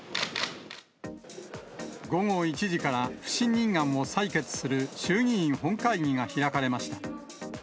午後１時から不信任案を採決する衆議院本会議が開かれました。